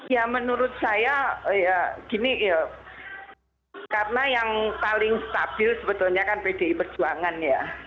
ya menurut saya gini karena yang paling stabil sebetulnya kan pdi perjuangan ya